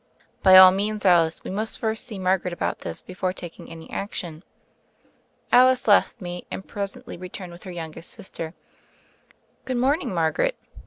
"By all means, Alice, we must first see Mar garet about this before taking any action." Alice left me and presently returned with her youngest sister. "Good morning, Margaret."